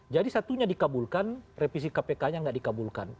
jadi satunya dikabulkan revisi kpk nya gak dikabulkan